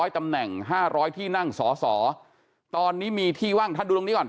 ตำแหน่ง๕๐๐ที่นั่งสอสอตอนนี้มีที่ว่างท่านดูตรงนี้ก่อน